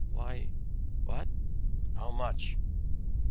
"Why what?" "How much?"